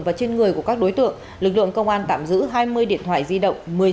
và trên người của các đối tượng lực lượng công an tạm giữ hai mươi điện thoại di động